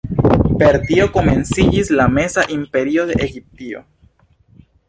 Per tio komenciĝis la Meza Imperio de Egiptio.